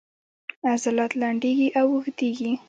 عضلات لنډیږي او اوږدیږي